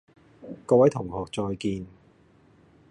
各位同學再見